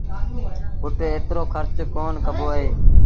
پُٽ ايترو کرچ ڪونا ڪبو اهي۔